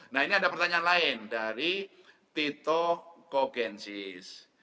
nah ini ada pertanyaan lain dari tito kogensis